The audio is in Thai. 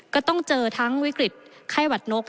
ก็ต้องเจอทั้งวิกฤตไข้หวัดนก